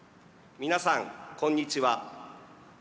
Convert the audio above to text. みなさん、こんにちは。